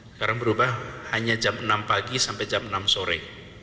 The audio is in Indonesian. sekarang berubah hanya jam enam pagi sampai jam enam sore